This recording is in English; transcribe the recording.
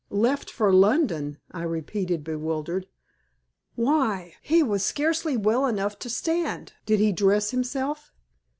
"Left for London!" I repeated, bewildered. "Why, he was scarcely well enough to stand. Did he dress himself?"